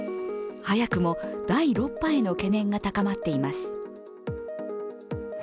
早くも第６波への懸念が高まっています。